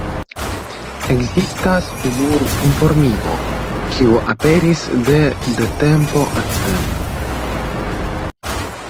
Ekzistas nur informilo, kiu aperis de de tempo al tempo.